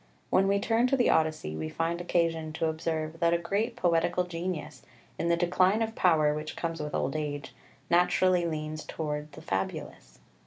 When we turn to the Odyssey we find occasion to observe that a great poetical genius in the decline of power which comes with old age naturally leans towards the fabulous.